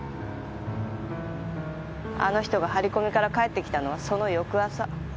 あの人が張り込みから帰ってきたのはその翌朝。